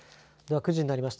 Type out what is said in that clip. ９時になりました。